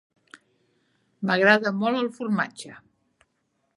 M'agrada molt el formatge.